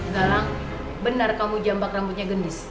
galang benar kamu jambak rambutnya gendis